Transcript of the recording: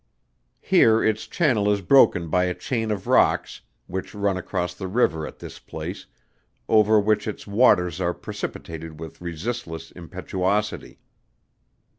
Here its channel is broken by a chain of rocks, which run across the river at this place, over which its waters are precipitated with resistless impetuosity.